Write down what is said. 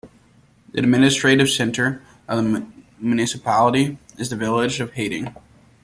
The administrative centre of the municipality is the village of Hatteng.